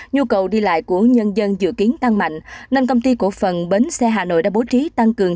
nhu cầu đi lại của nhân dân dự kiến tăng mạnh nên công ty cổ phần bến xe hà nội đã bố trí tăng cường